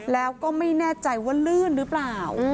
แล้วก็ไม่แน่ใจว่าลื่นหรือเปล่า